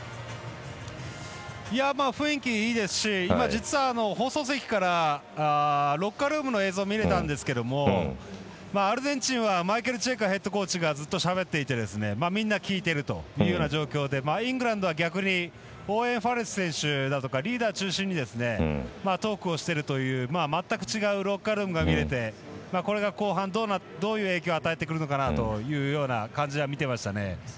雰囲気いいですし実は放送席からロッカールームの映像が見れたんですけどアルゼンチンはマイケル・チェイカヘッドコーチがずっとしゃべっていてみんな聞いている状況でイングランドは、逆にオーウェン・ファレル選手だとかリーダー中心にトークをしているという全く違うロッカールームが見れてこれが、後半どういう影響を与えてくるのかなという感じで見ていましたね。